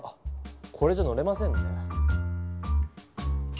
これじゃ乗れませんね。